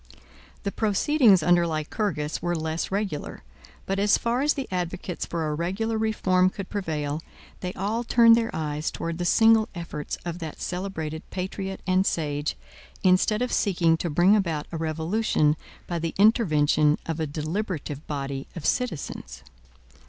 The proceedings under Lycurgus were less regular; but as far as the advocates for a regular reform could prevail, they all turned their eyes towards the single efforts of that celebrated patriot and sage, instead of seeking to bring about a revolution by the intervention of a deliberative body of citizens.